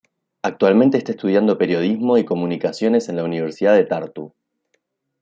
Actualmente está estudiando periodismo y comunicaciones en la Universidad de Tartu.